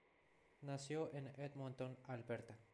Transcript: Nació en Edmonton, Alberta.